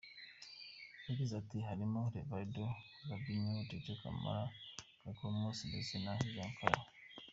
Yagize ati “Harimo Rivaldo, Robinho, Titi Camara, Kaklamanos ndetse na Jan Koller’’.